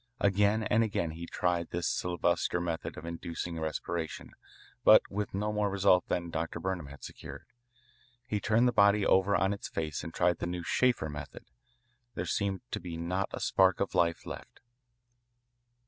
Again and again he tried this Sylvester method of inducing respiration, but with no more result than Dr. Burnham had secured. He turned the body over on its face and tried the new Schaefer method. There seemed to be not a spark of life left.